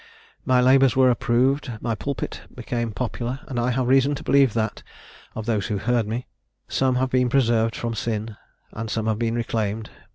"My labours were approved, my pulpit became popular, and I have reason to believe that, of those who heard me, some have been preserved from sin, and some have been reclaimed.